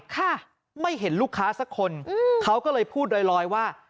ค่ะไม่เห็นลูกค้าสักคนอืมเขาก็เลยพูดลอยลอยว่า